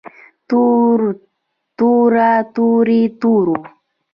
تور توره تورې تورو